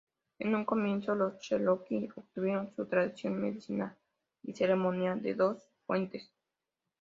En un comienzo los cheroqui obtuvieron su tradición medicinal y ceremonial de dos fuentes.